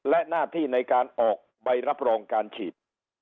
และหน้าที่ในการออกใบรับรองการฉีด